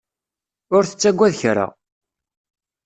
Ur tettagad kra.